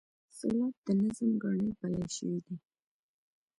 سېلاب د نظم کاڼی بلل شوی دی.